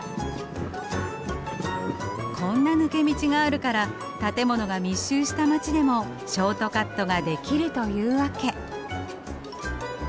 こんな抜け道があるから建物が密集した街でもショートカットができるというわけ。